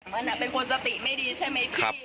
มันเป็นคนสติไม่ดีใช่ไหมพี่